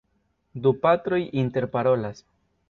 Du patroj interparolas.